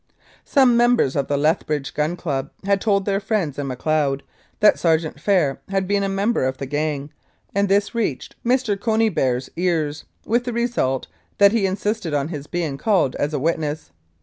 Some members of the Lethbridge Gun Club had told their friends in Macleod that Sergeant Phair had been a member of the gang, and this reached Mr. Cony beare's ears, with the result that he insisted on his being called as a witness.